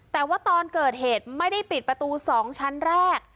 แต่ว่าตอนเกิดเหตุไม่ได้ปิดประตู๒ชั้นแรก